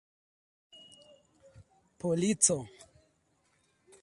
polico